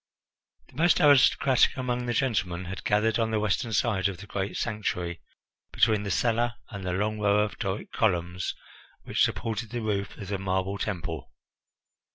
The most aristocratic among the gentlemen had gathered on the western side of the great sanctuary, between the cella and the long row of Doric columns which supported the roof of the marble temple.